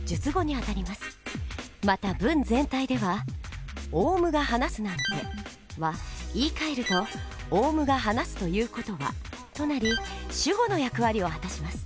また文全体では「オウムがはなすなんて」は言いかえると「オウムがはなすということは」となり主語の役割を果たします。